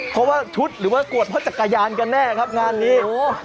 เพราะว่าชุดหรือว่ากรวดเพราะจักรยานกันแน่ครับงานนี้